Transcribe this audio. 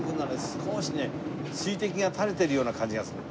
少しね水滴が垂れてるような感じがするの。